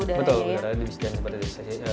betul didesain seperti ini